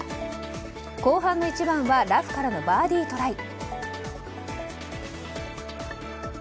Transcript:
後半の１番はラフからのバーディートライ。